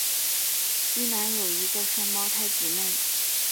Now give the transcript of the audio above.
基南有一个双胞胎姊妹。